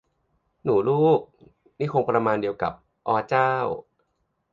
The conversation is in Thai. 'หนูลูก' นี่คงประมาณเดียวกับ 'ออเจ้า'